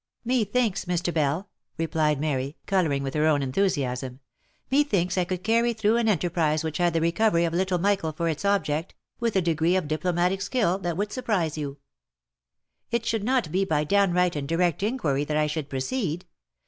" Methinks, Mr. Bell," replied Mary, colouring with her own enthu 232 THE LIFE AND ADVENTURES siasm, —" methinks I could carry through an enterprise which had the recovery of little Michael for its object, with a degree of diplomatic skill that would surprise you. It should not be by downright and direct inquiry that I should proceed.